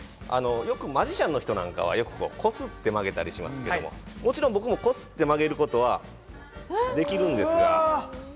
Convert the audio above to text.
よくマジシャンの人なんかは、こすって曲げたりしますけど、もちろん僕もこすって曲げることはできるんです。